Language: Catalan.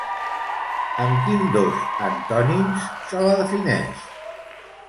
Amb quins dos antònims se la defineix?